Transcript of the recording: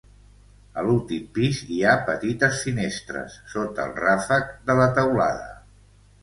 A l'últim pis hi ha petites finestres, sota el ràfec de la teulada.